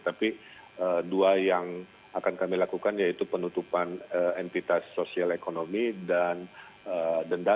tapi dua yang akan kami lakukan yaitu penutupan entitas sosial ekonomi dan denda